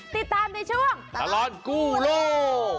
ติดตามในช่วงตลอดกู้โลก